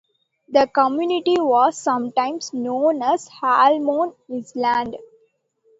The community was sometimes known as Holman Island.